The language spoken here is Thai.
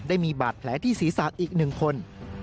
ได้มีบาดแผลที่ศีรษะอีก๑คน